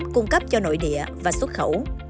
cung cấp cho nội địa và xuất khẩu